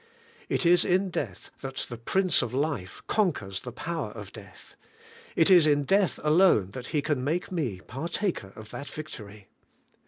It is in death that the Prince of life conquers the power of death; it is in death alone that He can make me partaker of that victory.